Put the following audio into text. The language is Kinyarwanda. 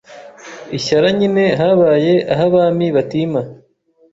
I Shyara nyine habaye ah'Abami batima